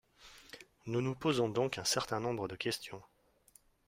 Nous nous posons donc un certain nombre de questions.